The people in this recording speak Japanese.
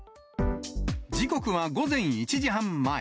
時刻は午前１時半前。